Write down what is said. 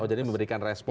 oh jadi memberikan respon